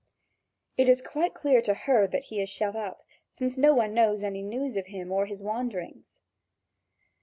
It is quite clear to her that he is shut up, since no one knows any news of him or his wanderings.